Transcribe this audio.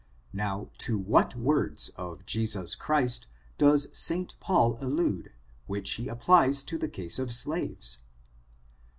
Now to what words of Jesus Christ does St. Paul allude, which he applies to the case of slaves?